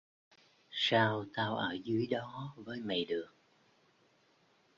Sao tao ở dưới đó với mày được